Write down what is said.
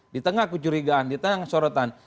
di tengah kecurigaan di tengah sorotan